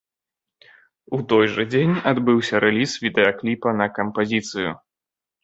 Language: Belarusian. У той жа дзень адбыўся рэліз відэакліпа на кампазіцыю.